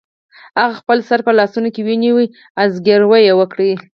هغه خپل سر په لاسونو کې ونیو او زګیروی یې وکړ